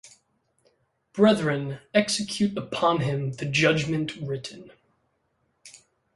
Brethren, execute upon him the judgment written.